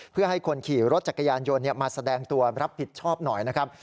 เพื่อให้คนขี่รถจักรยานยนต์มาแสดงตัวรับผิดชอบหน่อยนะครับ